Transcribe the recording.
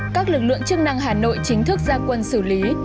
các lực lượng chức năng hà nội chính thức ra quân xử lý